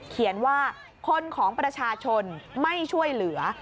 เขียนว่าคนของประชาชนไม่ช่วยเหลือ